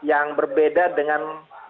yang berbeda dengan